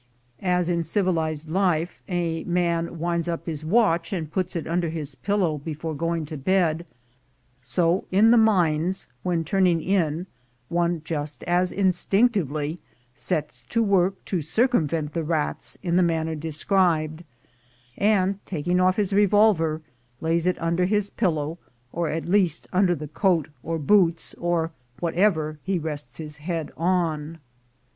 As in civilized life a man winds up his watcH and puts it under his pillow before going to bed; so in the mines, when turning in, one just as instinctively sets to work to circumvent the rats in the manner described, and, taking off his revolver, lays it under his pillow, or at least under the coat or boots, or what ever he rests his head on.